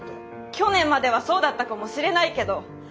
去年まではそうだったかもしれないけど今年は。